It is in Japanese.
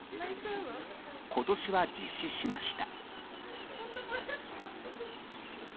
今年は実施しました。